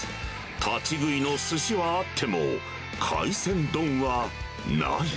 立ち食いのすしはあっても、海鮮丼はない。